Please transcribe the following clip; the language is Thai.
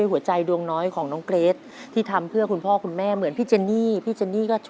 อะไรครับลูกเหนื่อยใจจริง